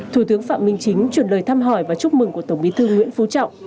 thủ tướng phạm minh chính chuyển lời thăm hỏi và chúc mừng của tổng bí thư nguyễn phú trọng